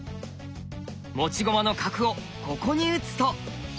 持ち駒の角をここに打つと。